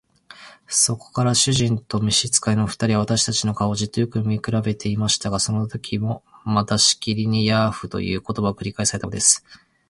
それから主人と召使の二人は、私たちの顔をじっとよく見くらべていましたが、そのときもまたしきりに「ヤーフ」という言葉が繰り返されたのです。